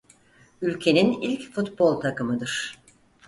Ülkenin ilk futbol takımıdır.